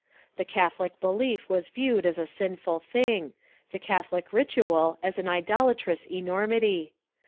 The Catholic belief was viewed as a sinful thing, the Catholic ritual as an Idolatrous enormity.